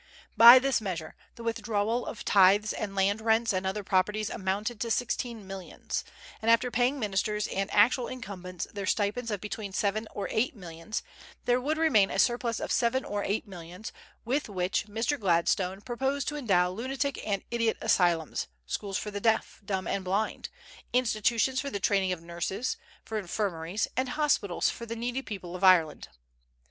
By this measure, the withdrawal of tithes and land rents and other properties amounted to sixteen millions; and after paying ministers and actual incumbents their stipends of between seven or eight millions, there would remain a surplus of seven or eight millions, with which Mr. Gladstone proposed to endow lunatic and idiot asylums, schools for the deaf, dumb, and blind, institutions for the training of nurses, for infirmaries, and hospitals for the needy people of Ireland.